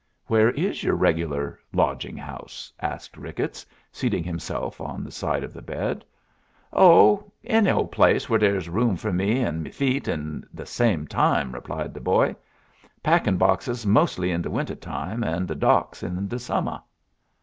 "Where is your regular lodging house?" asked Ricketts, seating himself on the side of the bed. "Oh, any old place where dere's room fer me an' me feet at de same time," replied the boy. "Packin' boxes mostly in de winter time, and de docks in de summer."